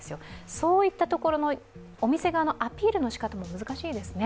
そういったところのお店側のアピールのしかたも難しいですね。